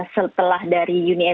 setelah dari uni emirates